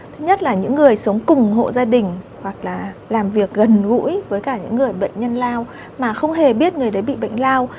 thứ nhất là những người sống cùng hộ gia đình hoặc là làm việc gần gũi với cả những người bệnh nhân lao mà không hề biết người đấy bị bệnh lao